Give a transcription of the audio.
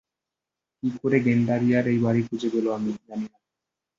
কী করে গেণ্ডারিয়ার এই বাড়ি খুঁজে পেল আমি জানি না।